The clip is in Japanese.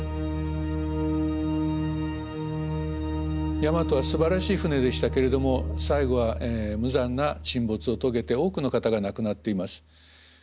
大和はすばらしい船でしたけれども最後は無残な沈没を遂げて多くの方が亡くなっています。